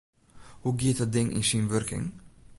Hoe giet dat ding yn syn wurking?